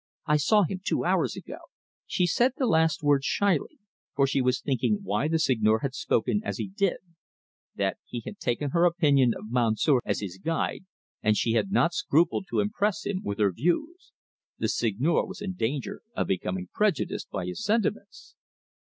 I saw him two hours ago." She said the last words shyly, for she was thinking why the Seigneur had spoken as he did that he had taken her opinion of Monsieur as his guide, and she had not scrupled to impress him with her views. The Seigneur was in danger of becoming prejudiced by his sentiments.